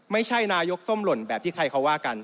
ไม่ใช่นายกส้มหล่นแบบที่ใครเขาว่ากัน